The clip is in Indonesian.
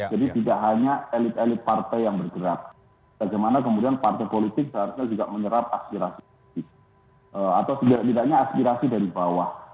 jadi tidak hanya elit elit partai yang bergerak bagaimana kemudian partai politik seharusnya juga menyerap aspirasi atau tidaknya aspirasi dari bawah